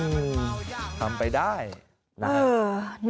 อืมมมมมมมมทำไปได้นะครับ